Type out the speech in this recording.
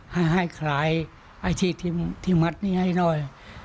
ให้ขายไอ้ที่มัดนี้ให้หน่อย